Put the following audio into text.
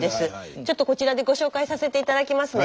ちょっとこちらでご紹介させて頂きますね。